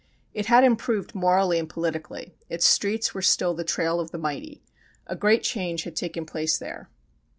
It had improved morally and politically, its streets were still the trail of the mighty. A great change had taken place there.